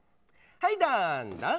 はい、どんどん。